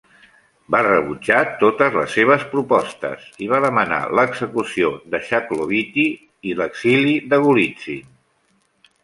Va rebutjar totes les seves propostes i va demanar l"execució de Shaklovityi i l"exili de Golitsyn.